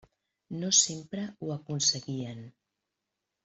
No sempre ho aconseguien.